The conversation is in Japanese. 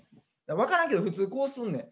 分からんけど普通こうすんねん。